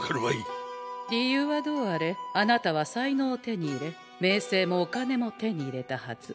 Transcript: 理由はどうあれあなたは才能を手に入れ名声もお金も手に入れたはず。